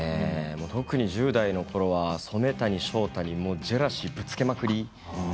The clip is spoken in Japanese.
特に１０代のころは染谷将太にジェラシーぶつけまくり